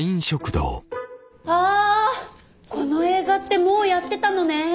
あこの映画ってもうやってたのね。